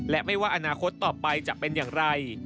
และไม่ว่าอนาคตต่อไปจะเป็นอย่างไร